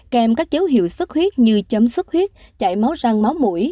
kèm các dấu hiệu xuất huyết như chấm xuất huyết chạy máu răng máu mũi